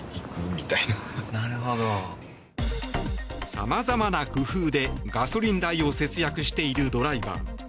さまざまな工夫でガソリン代を節約しているドライバー。